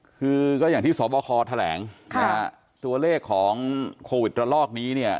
คือก็อย่างที่สบคแถลงนะฮะตัวเลขของโควิดระลอกนี้เนี่ย